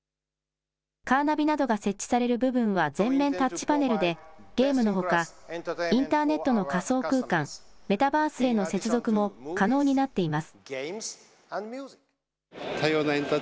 カーナビなどが設置される部分は全面タッチパネルでゲームのほかインターネットの仮想空間、メタバースへの接続も可能になっています。